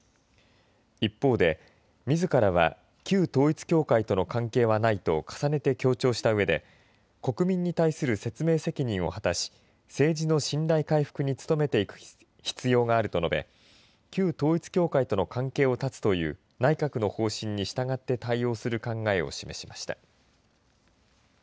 一方で、みずからは旧統一教会との関係はないと重ねて強調したうえで国民に対する説明責任を果たし政治の信頼回復に努めていく必要があると述べ旧統一教会との関係を絶つという内閣の方針に従って対応する考えを示しました。